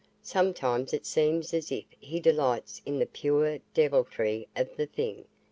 Sometimes it seems as if he delights in the pure deviltry of the thing.